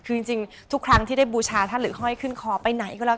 คือจริงทุกครั้งที่ได้บูชาท่านหรือห้อยขึ้นคอไปไหนก็แล้ว